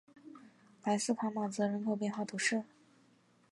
莱斯卡马泽人口变化图示